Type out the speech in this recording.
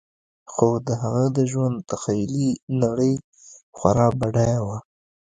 خو د هغه د ژوند تخیلي نړۍ خورا بډایه وه